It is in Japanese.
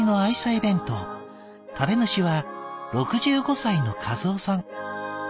「食べ主は６５歳の和雄さん。